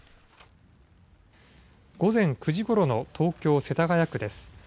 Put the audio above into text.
午前９時ごろの東京世田谷区です。